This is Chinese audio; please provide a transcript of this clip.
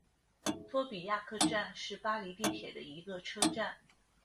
托比亚克站是巴黎地铁的一个车站。